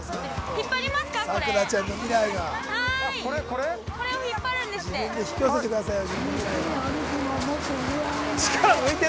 ◆これを引っ張るんですって。